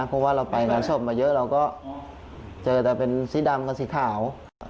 เพราะว่าเราไปงานศพมาเยอะเราก็เจอแต่เป็นสีดำกับสีขาว